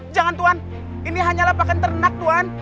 jangan tuan ini hanyalah pakan ternak tuhan